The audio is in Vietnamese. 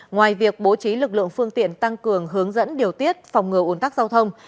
ngoài việc bố trí lực lượng phương tiện tăng cường hướng dẫn điều tiết phòng ngừa ủn tắc giao thông